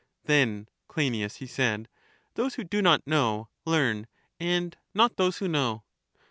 Then, Cleinias, he said, those who do not know learn, and not those who know.